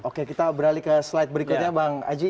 oke kita beralih ke slide berikutnya bang aji